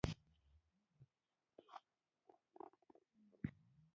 د تورېستي شرکتونو له لوري سفر دی.